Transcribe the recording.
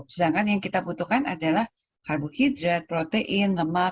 sedangkan yang kita butuhkan adalah karbohidrat protein lemak